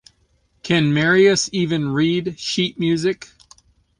Can Marius even read sheet-music?